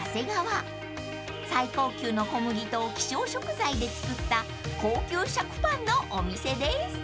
［最高級の小麦と希少食材で作った高級食パンのお店です］